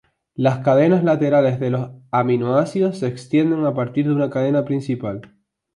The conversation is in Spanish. Las cadenas laterales de los aminoácidos se extienden a partir de una cadena principal.